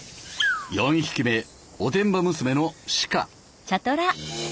４匹目おてんば娘のシカ。